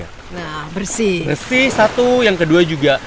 nah bersih bersih satu yang kedua juga